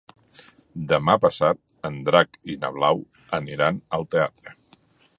Demà passat en Drac i na Blau aniran al teatre.